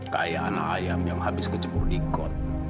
kayak anak ayam yang habis kecebur di kot